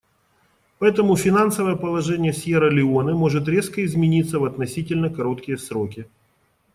Поэтому финансовое положение Сьерра-Леоне может резко измениться в относительно короткие сроки.